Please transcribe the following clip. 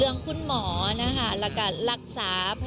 เรื่องคุณหมอนะคะระกรักษา